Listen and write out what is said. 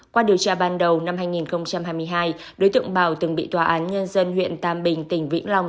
qua điều tra ban đầu năm hai nghìn hai mươi hai đối tượng bảo từng bị tòa án nhân dân huyện tam bình tỉnh vĩnh long